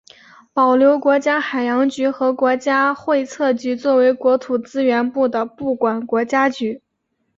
保留国家海洋局和国家测绘局作为国土资源部的部管国家局。